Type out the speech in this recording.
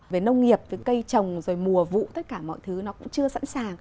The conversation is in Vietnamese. về nông nghiệp về cây trồng rồi mùa vụ tất cả mọi thứ nó cũng chưa sẵn sàng